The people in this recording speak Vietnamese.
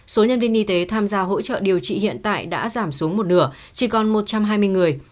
số nhân viên y tế tham gia hỗ trợ điều trị hiện tại đã giảm xuống một nửa chỉ còn một trăm hai mươi người